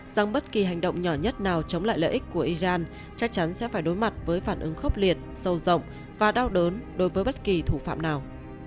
rằng bất kỳ hành động nhỏ nhất nào chống lại lợi ích của iran chắc chắn sẽ phải đối mặt với phản ứng khốc liệt sâu rộng và đau đớn đối với bất kỳ thủ phạm nào